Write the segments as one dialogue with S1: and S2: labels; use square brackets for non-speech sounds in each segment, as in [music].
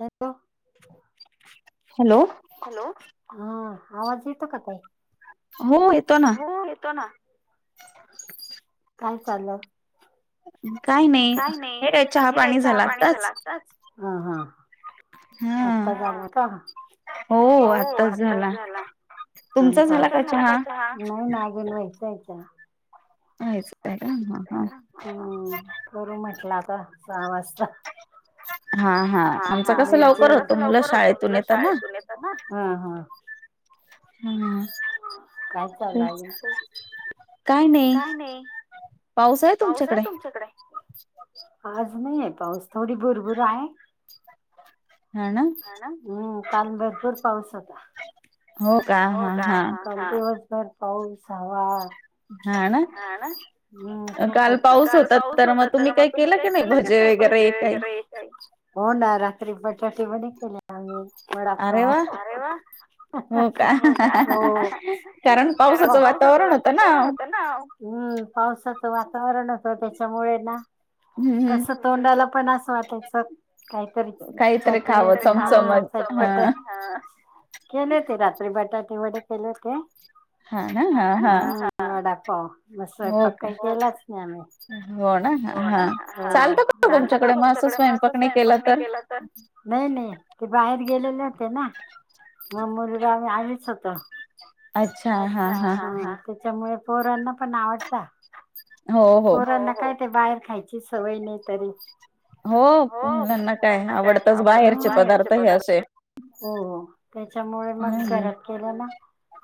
S1: ह्यात बघ. हॅलो,
S2: हो येतो ना.
S1: हो येतो ना. काय चालं. काही नाही हे काय चहा पाणी झाला आताच. आता झाला का हो आत्ताच झाला. आम नाही अजून व्हायचं चहा.
S2: हय [inaudible]
S1: करू म्हटलं का सहा वाजता. आमचा कस लवकर होतो मुलं शाळेतूनेत ये ''--'' ''हं ''हं'' काय चालायं अजून तुमचा.
S2: काय नाही पाऊस आहे तुमच्याकडे.
S1: आज नाहीयं पाऊस थोडी भुरभुर आहे.
S2: हा ना.
S1: हं काल भरपूर पाऊस होता.
S2: हो का हा हा,
S1: हा दिवसभर पाऊस हवा.
S2: हां ना काल पाऊस होता तर मग तुम्ही कायी. केलं की नाही भजे वगैरे काही.
S1: हो ना रात्री बटाटे बडे केल्यातं. आणि वडापाव. कारण पाऊस होत वातावरण होत. हम्म पावसाच वातावरणत त्याच्यामुळे ना. तसं तोंडाला पण असं वाटायचं काहीतरीच. चपट हा [unintelligible] केलेते होते रात्री बटाटे वडे केले होते. मा वडापाव मग स्वयंपाक काय केलाच नाही आम्ही.
S2: हो ना हा चालतं का तुमच्याकडे म असं स्वयंपाक नी केला तर.
S1: नाही नाही ते बाहेर गेलेचं हेना. मग मुल आणि आम्हीच होतो. तेच्यामुळे पोरांना पण आवडला पोरांना काय ते बाहेर खायची. ची सवय नाही तरी.
S2: हो मुलांना काय आवडतच बाहेरचे पदार्थ हे असे
S1: हो हो तेच्यामुळे मग घरात केलं ना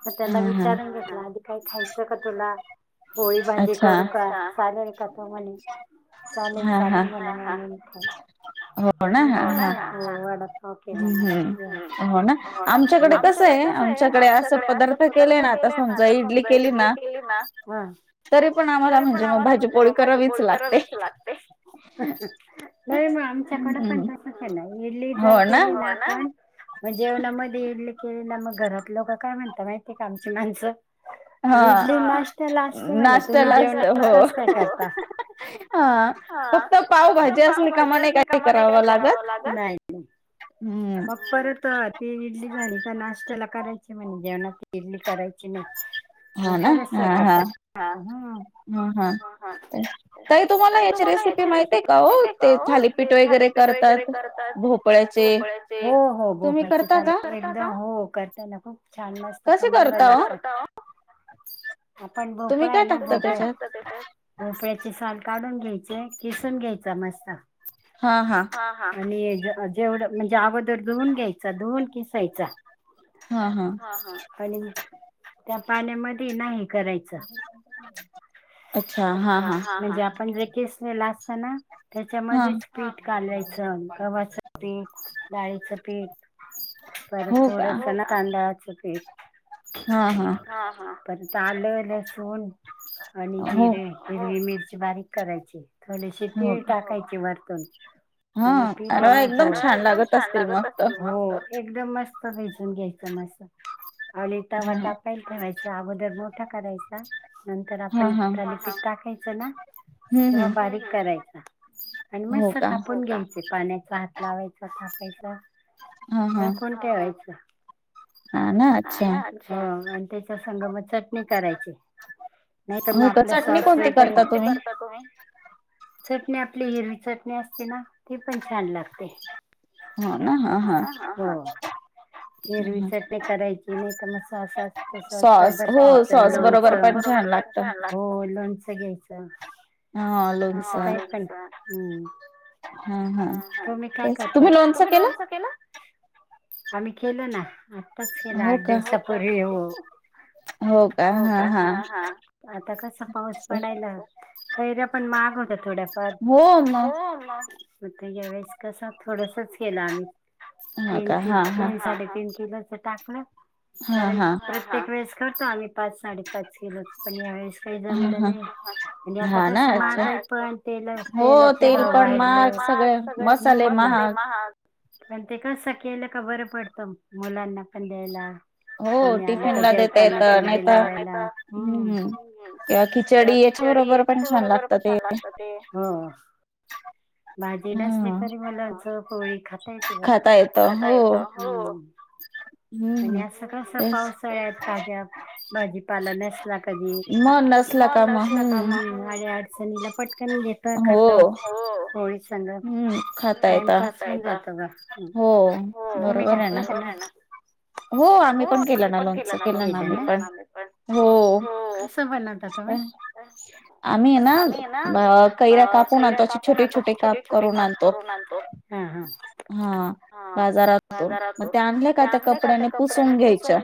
S1: म त्याला विचारून घेतला आधी काही खायचं का तुला? पोळी भाजी करू का? चालेल का तो म्हणे चालेल चालेल म्हणा [unintelligible] हो नां वडा
S2: हम्म्म हम्म हो नां आमच्याकडे कसं
S1: आमच्याकडे कसयं आमच्याकडे असं पदार्थ केलेय ना? आता समजा इडली केली ना? हा
S2: तरी पण आम
S1: तरी पण आम्हाला म्हणजे म भाजीपोळी करावीच लागते. नाही म आमच्याकड पण तसं इडली जर केली ना आपण? हो ना. म जेवणामध्ये इडली केली ना मग घरात लोक काय म्हणता माहितीय का आमची माणसं. इडली नाश्त्याला असते म्हणे. तुम्ही जेवणाला कस काय ठेवता? हा फक्त पाव असल का मा नाही काही करावं लागत. नाही - नाही. मग परत. ती इडली झाली का नाश्त्याला करायची म्हणे जेवणा ती इडली करायची नाही.
S2: हो ना हा हा हम हा. ताई तुम्हाला याची रेसिपी माहितीे आहे का हो? ते थालीपीठ वगैरे
S1: पीठ वगैरे करतात. भोपळ्याचे. हो हो भोपळ्याचे थालीपीठ एकदम हो करताना खूप छान मस्त खंमंग लागतं. कसं करता ओ? आपण भोपळा आहे ना भोपळा. तुम्ही काय टाकता तेच्यात भोपळ्याची साल काढून घ्यायचे किसून घ्यायचा मस्त.
S2: हा हा.
S1: हा हा आणि जे जेवढं म्हणजे अगोदर धुवून घ्यायचा धुवून किसायचा.
S2: हा हा.
S1: हा हा. आणि त्या पाण्यामध्ये आहे ना? हे करायचं. अच्छा हां हा. म्हणजे आपण जे कीस केलं असतं नां तेच्या मध्येच पीठ कालवायचं. गव्हाचं पीठ. डाळीचं पीठ. परत थोड चना तांदळाच पीठ. हां हां. परत आलं लसूण आणि जिरे हिरवी मिरची बारीक करायची थोडेशी तीळ टाकायची वरुतून. आणि पीठ हाय ना? हो. खरा एकदम छान लागत असतील ना? हो. मस्त. एकदम मस्त भिजून घ्यायचं मस्त आणि तवा ताप पायला ठेवायचा - अगोदर मोठा करायचा. नंतर आपण थालीपीठ टाकायचं ना तेव्हा बारीक करायचा. आणि मस्त थापून घ्यायच. पाण्याचा हात लावायचा थापायचा. झाकुन ठेवायचं.
S2: हा ना. अच्छा!
S1: हा आणि त्याच्या संग मग चटणी करायची. नाही तर मग आपल्या सासू वगैरे [inaudible] करता तुम्ही चटणी आपली हिरवी चटणी असते ना? ती पण छान लागते. हो हिरवी चटणी करायच नाही तर मग साॅस असेल तर सॉस बरोबर खायच. लोणचं. हो सॉस बरोबर पण छान लागत. हो लोणच घ्यायचं. असं काही पण तुम्ही काय करता? तुम्ही लोनच केला? आम्ही केलं ना, आत्ताच केलं, आठ दिवसापूर्वी हो हो का आता कस पाऊस पडायला कैरी पण महाग होत्या थोड्याफार, हो मग त्याच्या वेळेस कस थोडसच केलं आम्ही तीन किलो तीन -साडे तीन किलोच टाकलं कारण परत एक वेळेस करतो आम्ही पाच -साडेपाच किलोच, पण यावेेळेस काही जमलं नाही आणि आता कसं मग आहे पण तेल तेल महाग, सगळ मसाले महाग पण ते कसं केलं का, बरं पडतं मुलांना पण द्यायला कोणी आलं तर, जेवताना तोंडी लावायला
S2: किंवा खिचडी याच्या थोरं बरोबर पण छान लागतात ते
S1: हा भाजी नसली तरी मग लोणच पोळी खाता येते म, खाता येत आणि असं कस पावसाळ्यात ताज्या भाजीपाला नसला कधी
S2: म नसला का म हं
S1: अडी-अडचणीला पटकन घेत, खात पोळी संग टाईमपण तुम्ही घातलं का नाही?
S2: हो आम्ही पण केलं ना लोनचं केलं ना आम्ही पण
S1: कस बनवता तुम्ही?
S2: आम्ही ना कैर्या कापून आणतो, त्याचे छोटे छोटे काप
S1: छोटे काप करून आणतो. हा हा
S2: हा बाजारात, मग ते आणले का कपड्यानी पुसून घ्यायच्या,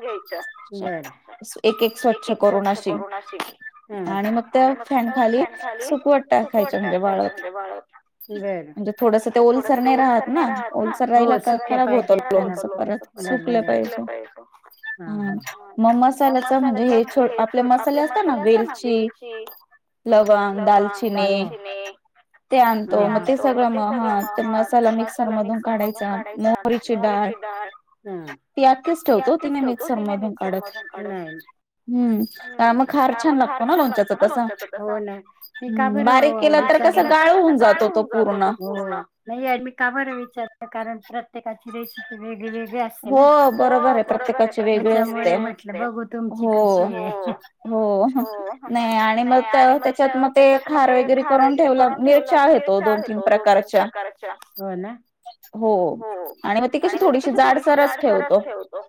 S2: एक एक स्वच्छ करून अशी आणि मग त्या फॅन खाली सुकवत टाकायच्या, म्हणजे वाळत म्हणजे थोडस ते ओलसर नाही राहात ना, ओलसर राहिला का खराब होत लोनच परत
S1: सुकलं पाहिजे हम्म हम्म, मग मसाल्याच म्हणजे हे आपले मसाले असतात ना वेलची,
S2: लवंग, दालचिनी ते आणतो मग ते सगळं म, हा तर मसाला मिक्सर मधून काढायचा मोहरी
S1: मोहरीची डाळ ती असच ठेवतो ती मी मिक्सर मधून काढून हम्म मग खार छान लागतो ना लोणच्याचा, हो ना मी का बर, लोणचं तर कस गाळून जातो पूर्ण नाही आहे मी का बरं विचारलं, कारण प्रत्येकाची रेसिपी वेगळी वेगळी हो बरोबर आहे, त्याच्यामुळे म्हटलं बघू तुमची कशी आहे
S2: हो, नाही आणि मग त्या त्याच्यात मग ते खार वगैरे करून ठेवलात
S1: ठेवलात, मी छान होेतो दोन- तीन प्रकार हो
S2: हो आणि मग ती कशी थोडीशी जाड
S1: जाडसरच ठेवतो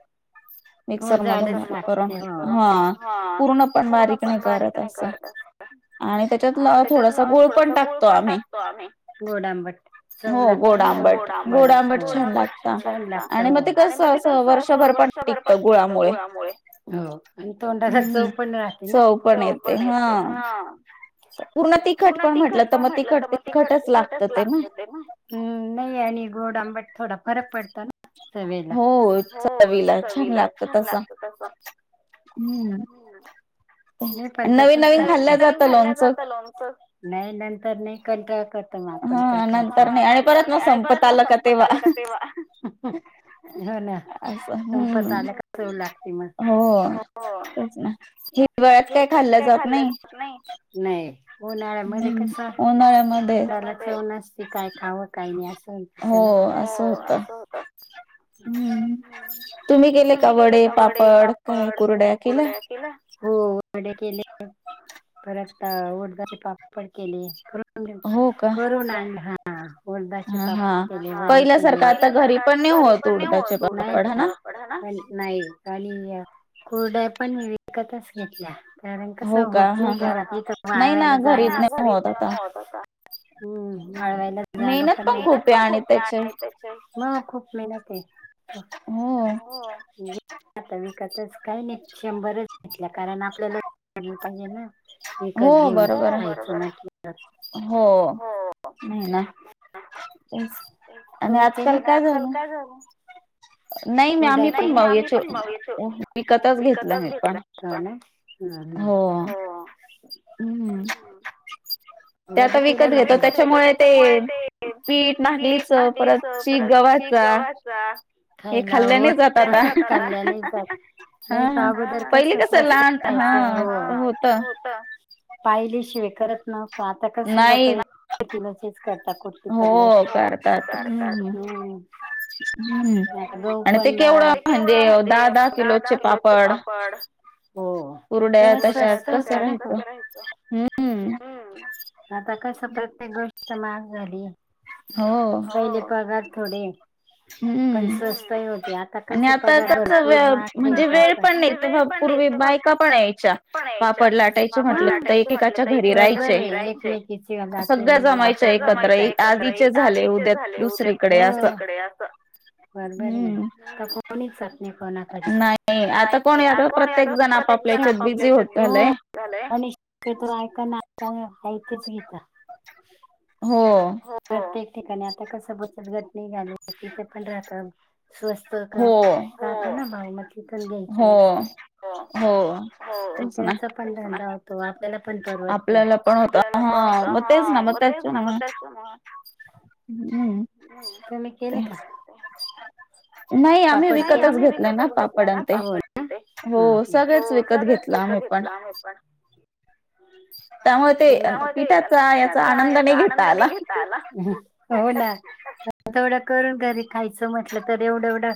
S1: हो हा पूर्ण पण बारीक नाही करत असं आणि त्याच्यात थोडसा गुळ पण टाक, तो आम्ही गोड - आंबट
S2: हो गोड आंबट गोड - आंबट छान लागत
S1: आणि मग ते कस अस वर्षभर पण टिकत गुळामुळे आणि तोंडाला चव पण राहते ना, चव पण येते हा
S2: पूर्ण तिखट पण म्हटलं तर मग तिखट तिखटच लागतं ते ना
S1: ह्म, नही आणि गोड आंबट थोडा फार फरक पडत ण
S2: हो, चवीला छान लागत तसं. हम्म.
S1: [unintelligible] नहीं खाल्लं जातं लोणचं, नहीं नंतर नहीं [unintelligible] करत मग आपण पण काहीच, नंतर नही आणि परत मग संपत आलं का तेव्हा
S2: असं, हम्म, हो. तेच ना, हिरवाळ्यात काही खाल्लं जात नही. हम्, उन्हाळ्यामध्ये.
S1: ठाव नसती, काय खावं, काय नही, असं म्हणतत ना. हं. [unintelligible] तुम्ही केले का, वडे, पापड, कुरड्या? [unintelligible] हो वडे केले ना. पर आता ऊरदाचे पापड केले. [unintelligible] करून आणला, उरदाचे पापड [unintelligible] केले, वडे केले, पहिले
S2: घरी पण नहीं होत, उडदाचे पापड, हा ना?
S1: [unintelligible] नाही आणि कुरड्या पण विकतच घेतल्या. कारण कसं होत नही, घरात इथ वाळवायला जागा नसते. हम् वाळवायला जागा पण, [unintelligible] मेहनत पण खूप [unintelligible] म खूप मेहनत ये त, हो. आता विकतच, काही नही शंभरच घेतल्या, कारण आपल्याला [unintelligible] पडलं पाहिजे ना. विकत घेऊन, यायचं [unintelligible]
S2: हो, नही ना. [unintelligible] आणि आजकाल काय झालं?
S1: झालं. कुरडया केल्या, नही नही आम्ही पण म इथं विकतच घेतल्या. हं हं, हं हम्म.
S2: ते आता विकत घेतो, त्याच्यामुळे ते पीठ नागलीच परत चीक गव्हाचा.
S1: जा. खायला हो, तसंच खाल्या नही जात, नाही त अगोदर कसं स्वस्त पहिलं असं हो, होत. पायली शिवाय करत नवतो, आता कसं लोकं [unintelligible] किलोचेच करतात. [unintelligible] कती त गष्ट ह [unintelligible]
S2: हम्म.
S1: आता गहू पण महाग, ते केवड म्हणजे दहा-दहा किलोचे पापड. हो, तेव्हा स्वस्त होत ना, खूप. हम्, आता कसं प्रत्येक गोष्ट महाग झालीये. हो, पहिले पगार थोडे.
S2: हम्म.
S1: पण स्वस्तई होत्यात. आता कसे पगार भरपूर, महाग भरपूर, म्हणजे वेळ पण नही.
S2: पण यायच्या
S1: पण यायच्या, पापड लाटायच म्हटलं तर एक [unintelligible] सगळे जमायचं एकत्र आज इथं झाले, उद्या दुसरीकडे असं बरोबर ना कोणीच जात नही कोणाकडे, [unintelligible] प्रत्येक जण आपापल्या याच्यात बिज झालाय आणि [unintelligible] ऐका ना [inaudible] हायतेच घेता
S2: हो.
S1: प्रत्येक ठिकाणी आता कस बचत गट निघाले तिथं पण राहतात स्वस्त का [unintelligible] भाव म ती पण घ्यायची असं हो
S2: तेच ना
S1: पण धंदा होतो आपल्याला पण परवडत आपल्याला पण हा म तेच ना म तेच तुम्ही केले का? पापड केले, नाही आम्ही विकत घेतलं ना पापड हो सगळेच विकत घेत ला मी पण
S2: त्यामुळ ते पिठाचा याचा आनंद नाय घेता आला
S1: घेता आला हो ना तेवढं करून घरी खायचं म्हटलं तर एवढं एवढं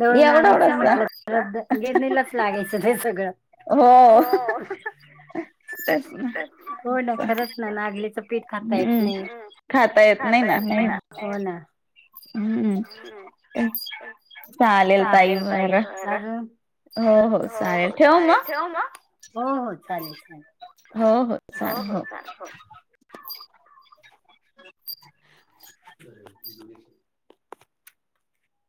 S1: दळून आणायचं म्हटलं एवढं रद्द गिरणीलाच लागायचं ते सगळं
S2: हो तेच ना
S1: हो ना खरंच ना नागलीचं पीठ खाता येत नाही, हूं खाता येत नाय ना हो ना हू चालेल ताई बरं अजून
S2: हो हो चालेल ठेवू म?
S1: हो हो चालेल चालेल
S2: हो हो चाले हो
S1: [inaudible]